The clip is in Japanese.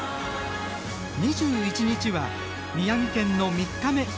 ２１日は宮城県の３日目。